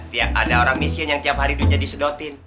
tiap ada orang miskin yang tiap hari dunia disedotin